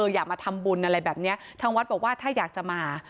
อยากมาทำบุญอะไรแบบนี้ทางวัดบอกว่าถ้าอยากจะมา